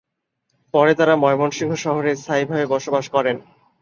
পরে তাঁরা ময়মনসিংহ শহরে স্থায়িভাবে বসবাস করেন।